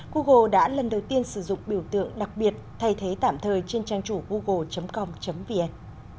google đã lần đầu tiên sử dụng biểu tượng đặc biệt thay thế tạm thời trên trang chủ google com vn